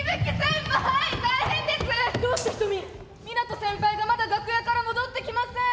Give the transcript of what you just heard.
湊斗先輩がまだ楽屋から戻ってきません。